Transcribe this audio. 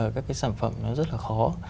các cái sản phẩm nó rất là khó